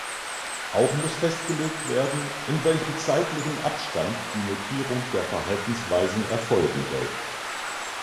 Auch muss festgelegt werden, in welchem zeitlichen Abstand die Notierung der Verhaltensweisen erfolgen soll.